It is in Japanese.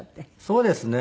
そうですね。